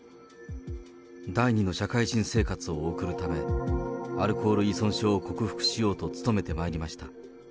第２の社会人生活を送るため、アルコール依存症を克服しようと努めてまいりました。